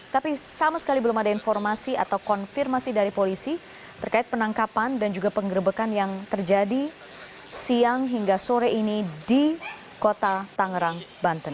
tapi sama sekali belum ada informasi atau konfirmasi dari polisi terkait penangkapan dan juga penggerbekan yang terjadi siang hingga sore ini di kota tangerang banten